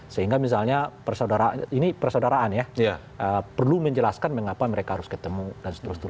sehingga misalnya persaudaraan perlu menjelaskan mengapa mereka harus ketemu